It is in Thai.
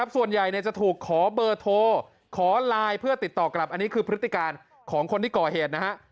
ส่วนใหญ่จะถูกขอเบอร์โทรขอไลน์เพื่อติดต่อกลับอันนี้คือพฤติการของคนที่ก่อเหตุนะฮะ